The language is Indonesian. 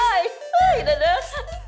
hai hai dadah